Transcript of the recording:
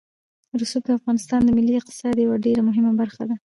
رسوب د افغانستان د ملي اقتصاد یوه ډېره مهمه برخه ده.